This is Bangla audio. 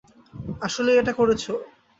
আসলেই এটা করেছো?